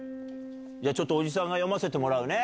ちょっとおじさんが読ませてもらうね。